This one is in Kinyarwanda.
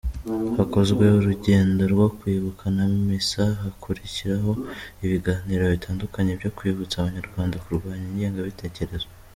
Hakozwe urugendo rwo kwibuka na misa hakurikiraho ibiganiro bitandukanye byo kwibutsa Abanyrwanda kurwanya ingengabitekerezo.